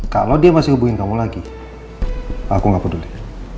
kalau dia masih hubungin kamu lagi aku gak peduli